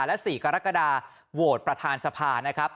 และ๔กรกฎาโหวตประธานสภานะครับ